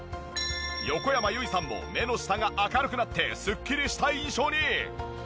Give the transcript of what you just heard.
横山由依さんも目の下が明るくなってスッキリした印象に。